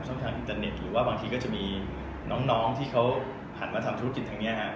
ช่องทางอินเตอร์เน็ตหรือว่าบางทีก็จะมีน้องที่เขาหันมาทำธุรกิจทางนี้ฮะ